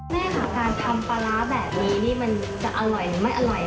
แม่ค่ะการทำปลาร้าแบบนี้นี่มันจะอร่อยหรือไม่อร่อย